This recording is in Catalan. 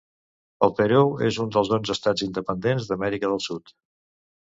El Perú és un dels onze estats independents d'Amèrica del Sud.